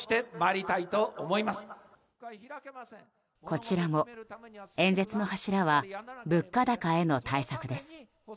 こちらも、演説の柱は物価高への対策です。